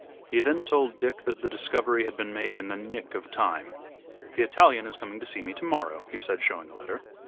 He then told Dick that the discovery had been made in the nick of time. "The Italian is coming to see me to morrow," he said, showing a letter.